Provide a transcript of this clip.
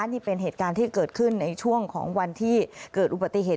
นี่เป็นเหตุการณ์ที่เกิดขึ้นในช่วงของวันที่เกิดอุบัติเหตุ